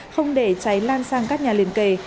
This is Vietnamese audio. không để cháy lan sang các nhà liền kề